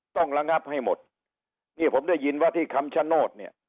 ต้องระงับให้หมดนี่ผมได้ยินว่าที่คำชโนธเนี่ย